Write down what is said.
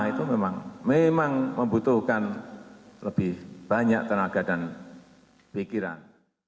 itu memang membutuhkan lebih banyak tenaga dan pikiran